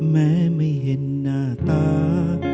แม้ไม่เห็นหน้าตา